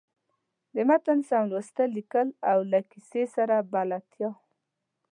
د متن سم لوستل، ليکل او له کیسۍ سره بلدتیا.